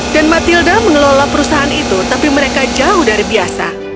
dan matilda mengelola perusahaan itu tapi mereka jauh dari biasa